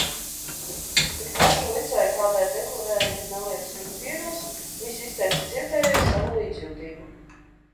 Kad karšu licēja kādai deklarēja, ka nelietis viņu pievils, visi izteica cietējai savu līdzjūtību.